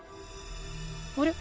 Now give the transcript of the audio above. あれ？